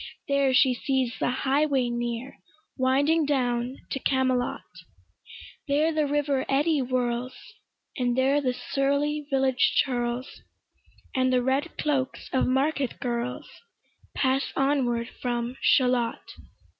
There she sees the highway near Winding down to Camelot: There the river eddy whirls, And there the surly village churls, And the red cloaks of market girls, Pass onward from Shalott.